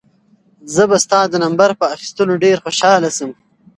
زه به ستا د نمبر په اخیستلو ډېر خوشحاله شم.